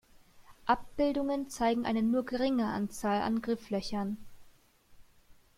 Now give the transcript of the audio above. Abbildungen zeigen eine nur geringe Anzahl an Grifflöchern.